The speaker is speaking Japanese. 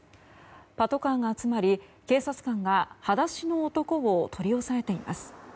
パトカーが集まり、警察官が裸足の男を取り押さえています。